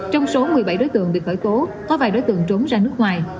trong số một mươi bảy đối tượng bị khởi tố có vài đối tượng trốn ra nước ngoài